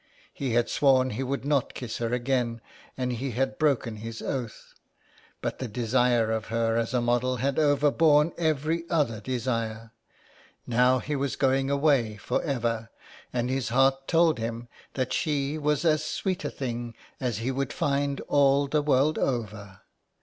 He had sworn he would not kiss her again and he had broken his oath, but the desire of her as a model had overborne every other desire. Now he was going away for ever, and his heart told him that she was as sweet a thing as he would find all the world over.